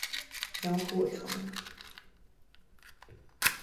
江户城。